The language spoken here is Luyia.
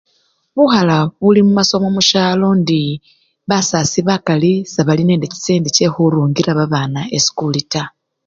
Bukhala buli mumasomo musyalo indi basasi bakali sebali nende chisende chekhurungila babana esikuli taa.